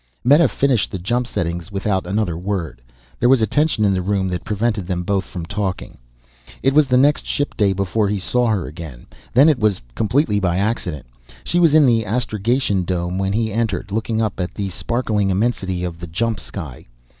Meta finished the jump settings without another word. There was a tension in the room that prevented them both from talking. It was the next shipday before he saw her again, then it was completely by accident. She was in the astrogation dome when he entered, looking up at the sparkling immensity of the jump sky.